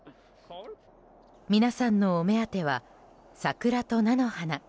皆さんのお目当ては桜と菜の花。